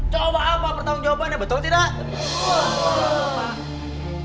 coba apa pertanggung jawabannya betul tidak